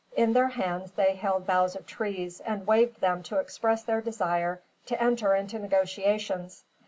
In their hands they held boughs of trees, and waved them to express their desire to enter into negotiations.